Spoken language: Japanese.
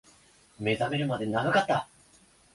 目覚めるまで長かった